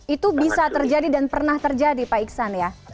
itu bisa terjadi dan pernah terjadi pak iksan ya